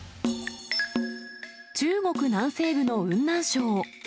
中国南西部の雲南省。